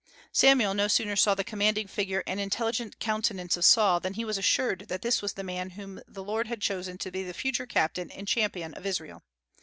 Samuel no sooner saw the commanding figure and intelligent countenance of Saul than he was assured that this was the man whom the Lord had chosen to be the future captain and champion of Israel.